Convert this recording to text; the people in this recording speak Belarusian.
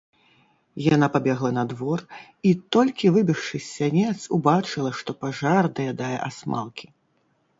Яна пабегла на двор і, толькі выбегшы з сянец, убачыла, што пажар даядае асмалкі.